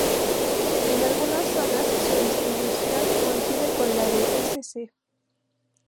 En algunas zonas su distribución coincide con la de "S. c.